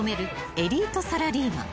エリートサラリーマン］